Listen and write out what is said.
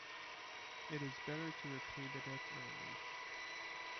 It is better to repay the debt early.